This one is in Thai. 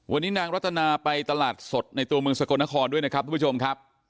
วันนี้นางรัตนาไปตลาดสดในตัวเมืองสกลนครด้วยนะครับทุกผู้ชมครับ